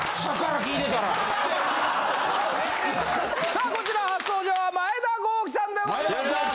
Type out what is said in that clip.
さあこちら初登場は前田公輝さんでございます！